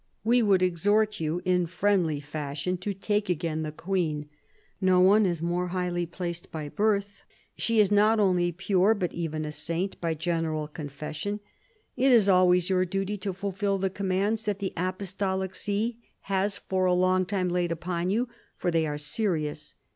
We would exhort you in friendly fashion to take again the queen. No one is more highly vi PHILIP AND THE PAPACY 171 placed by birth ; she is not only pure but even a saint, by general confession. It is always your duty to fulfil the commands that the Apostolic See has for a long time laid upon you, for they are serious.